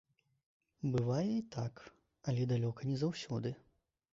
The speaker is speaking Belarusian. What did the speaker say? Бывае і так, але далёка не заўсёды.